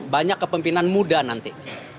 banyak kepemimpinan muda nanti